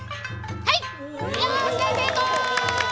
はい。